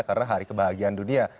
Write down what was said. karena hari kebahagiaan dunia